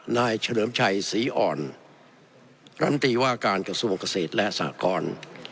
เฉลิมชัยศรีอ่อนลำตีว่าการกระทรวงเกษตรและสหกร